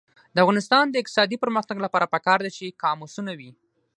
د افغانستان د اقتصادي پرمختګ لپاره پکار ده چې قاموسونه وي.